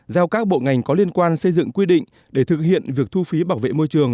giao các bộ ngành có liên quan xây dựng quy định để thực hiện việc thu phí bảo vệ môi trường